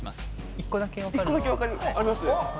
１個だけあります？